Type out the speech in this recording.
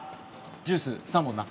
ジュース３本な